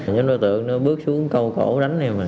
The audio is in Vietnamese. nhóm đối tượng nó bước xuống cầu cổ đánh em rồi